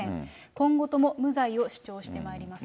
今後とも無罪を主張してまいりますと。